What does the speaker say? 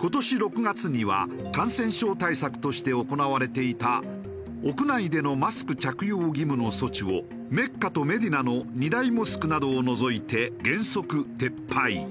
今年６月には感染症対策として行われていた屋内でのマスク着用義務の措置をメッカとメディナの２大モスクなどを除いて原則撤廃。